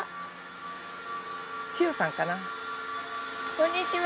こんにちは。